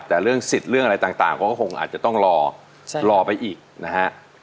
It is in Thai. แต่เรื่องสิทธิ์เรื่องอะไรต่างก็คงอาจจะต้องรอรอไปอีกนะฮะ